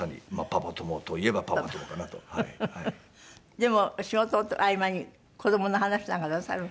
でも仕事の合間に子供の話なんかなさる？